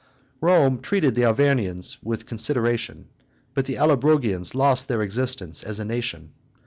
Rome treated the Arvernians with consideration; but the Allobrogians lost their existence as a nation.